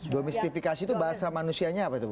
domestifikasi itu bahasa manusianya apa itu bu